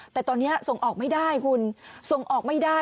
แต่ตอนนี้ส่งออกไม่ได้คุณส่งออกไม่ได้